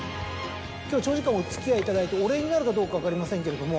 今日長時間お付き合いいただいてお礼になるかどうか分かりませんけれども